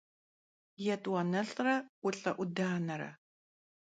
Yêt'uanelh're 'Ulh'e'udanere.